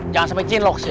jangan sampai cilok sih ya